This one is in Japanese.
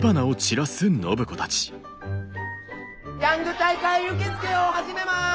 ヤング大会受け付けを始めます。